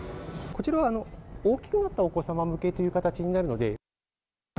こちらは大きくなったお子様向けという形になるので。